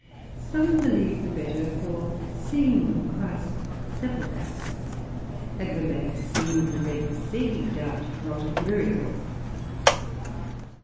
Some believe the better for seeing Christ's Sepulchre; and when they have seen the Red Sea, doubt not of the Miracle.